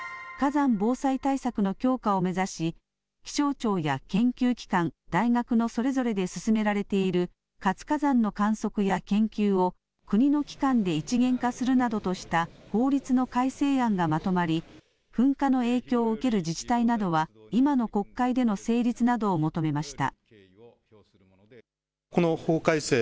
火山防災対策の強化を目指し、気象庁や研究機関、大学のそれぞれで進められている活火山の観測や研究を、国の機関で一元化するなどとした法律の改正案がまとまり、噴火の影響を受ける自治体などは、今の国会での成立などを求めました。